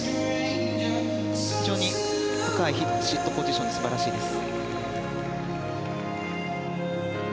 非常に高いシットポジションで素晴らしいです。